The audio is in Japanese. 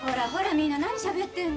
みんな何しゃべってんの。